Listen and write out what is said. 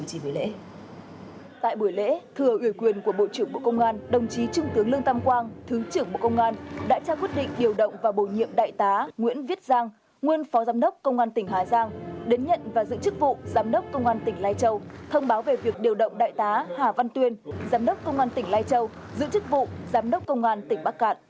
tại buổi lễ thừa ủy quyền của bộ trưởng bộ công an đồng chí trung tướng lương tam quang thứ trưởng bộ công an đã trao quyết định điều động và bồi nhiệm đại tá nguyễn viết giang nguyên phó giám đốc công an tỉnh hà giang đến nhận và giữ chức vụ giám đốc công an tỉnh lai châu thông báo về việc điều động đại tá hà văn tuyên giám đốc công an tỉnh lai châu giữ chức vụ giám đốc công an tỉnh bắc cạn